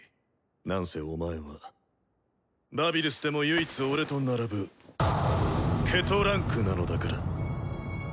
何せお前はバビルスでも唯一俺と並ぶ「８」位階なのだから。